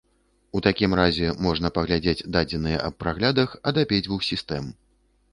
У такім разе можна паглядзець дадзеныя аб праглядах ад абедзвюх сістэм.